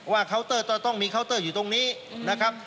เคาน์เตอร์ต้องมีเคาน์เตอร์อยู่ตรงนี้นะครับ